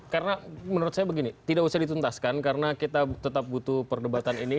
karena menurut saya begini tidak usah dituntaskan karena kita tetap butuh perdebatan ini